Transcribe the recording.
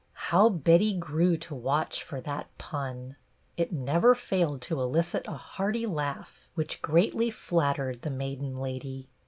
How Betty grew to watch for that pun ! It never failed to elicit a hearty laugh, which greatly flattered the maiden lady.